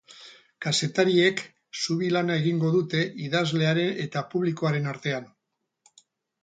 Kazetariek zubi lana egingo dute idazlearen eta publikoaren artean.